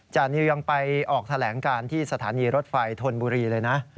จานิวยังไปออกแถลงการที่สถานีรถไฟธนบุรีเลยนะ